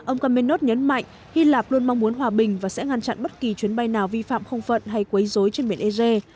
ông kamenov nhấn mạnh hy lạp luôn mong muốn hòa bình và sẽ ngăn chặn bất kỳ chuyến bay nào vi phạm không phận hay quấy dối trên biển eze